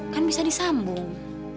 kan bisa disambung